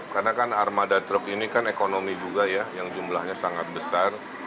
karena kan armada truk ini kan ekonomi juga ya yang jumlahnya sangat besar